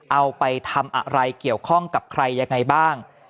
เอาไปทำอะไรเกี่ยวข้องกับใครยังไงบ้าง